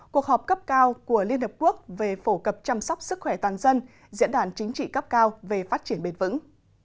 cuộc họp cấp cao của liên hợp quốc về phổ cập chăm sóc sức khỏe toàn dân diễn đàn chính trị cấp cao về phát triển bền vững